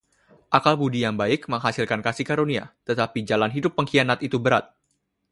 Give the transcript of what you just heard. Akal budi yang baik menghasilkan kasih karunia, tetapi jalan hidup pengkhianat itu berat.